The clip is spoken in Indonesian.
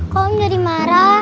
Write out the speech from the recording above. kok menjadi marah